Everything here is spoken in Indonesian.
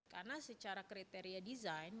karena secara kriteria desain